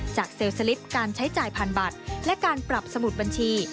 เซลล์สลิปการใช้จ่ายผ่านบัตรและการปรับสมุดบัญชี